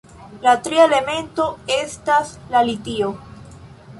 La tria elemento estas la litio.